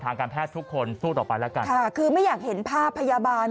ทางการแพทย์ทุกคนสู้ต่อไปแล้วกันค่ะคือไม่อยากเห็นภาพพยาบาล